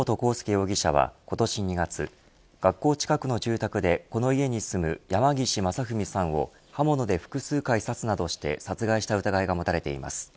容疑者は今年２月、学校近くの住宅でこの家に住む山岸正文さんを刃物で複数回刺すなどして殺害した疑いが持たれています。